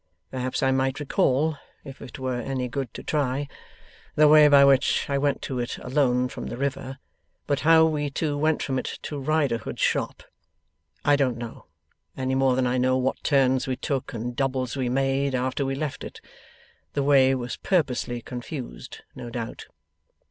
Perhaps I might recall, if it were any good to try, the way by which I went to it alone from the river; but how we two went from it to Riderhood's shop, I don't know any more than I know what turns we took and doubles we made, after we left it. The way was purposely confused, no doubt.